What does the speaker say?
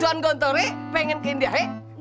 tuhan kata ingin ke india hee